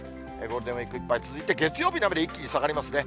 ゴールデンウィークいっぱい続いて、月曜日の雨で一気に下がりますね。